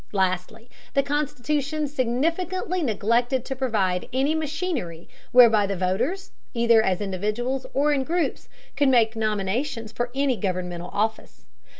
Lastly, the constitution significantly neglected to provide any machinery whereby the voters, either as individuals or in groups, could make nominations for any governmental office.